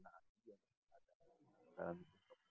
masih mikirnya di pembinaan